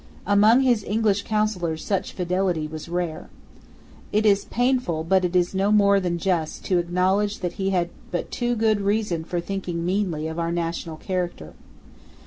Among his English councillors such fidelity was rare. It is painful, but it is no more than just, to acknowledge that he had but too good reason for thinking meanly of our national character.